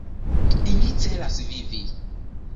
Ili celas vivi.